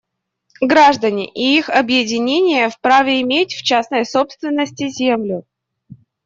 Граждане и их объединения вправе иметь в частной собственности землю.